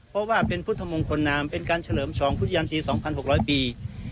เพราะว่าเป็นพุทธมงคลนามเป็นการเฉลิมฉลองพุทธยันตี๒๖๐๐ปี